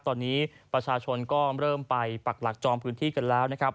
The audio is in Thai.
ตอนนี้ประชาชนก็เริ่มไปปักหลักจองพื้นที่กันแล้วนะครับ